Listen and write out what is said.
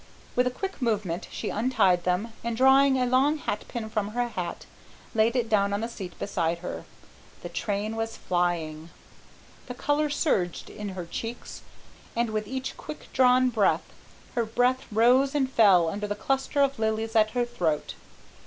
With a quick movement she untied them, and, drawing a long hat pin from her hat, laid it down on the seat beside her. The train was flying. The colour surged in her cheeks, and, with each quick drawn breath, her breath rose and fell under the cluster of lilies at her throat.